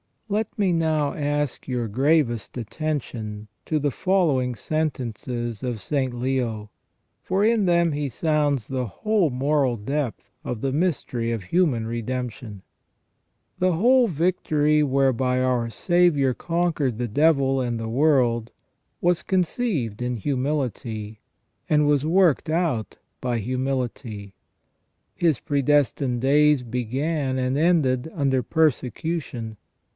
Let me now ask your gravest attention to the following sentences of St. Leo, for in them he sounds the whole moral depth of the mystery of human redemption :" The whole victory whereby our Saviour conquered the devil and the world was conceived in humility, and was worked out by humility. His predestined days began and ended under persecution.